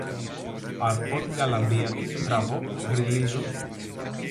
Αρπώ την γκαλαμπία του, τραβώ, γρυλίζω